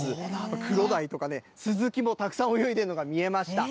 クロダイとかね、スズキもたくさん泳いでいるのが見えました。